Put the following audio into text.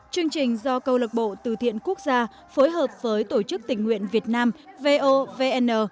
chương trình do câu lạc bộ từ thiện quốc gia phối hợp với tổ chức tình nguyện việt nam vovn